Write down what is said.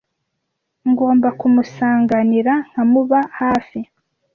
Ngomba kumusanganira nkamuba hafi